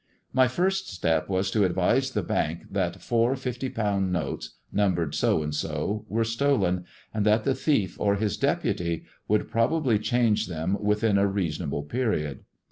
My first step was to advise the Bank that four fifty pound notes, numbered so and so. were stolen, and that the thief or his deputy would probably change them within a "' 'Tis the blood of your wife.' " restsonnbte period.